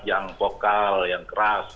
yang vokal yang keras